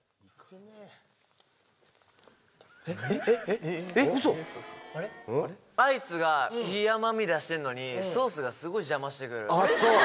ウソ⁉アイスがいい甘味出してんのにソースがすごい邪魔して来る。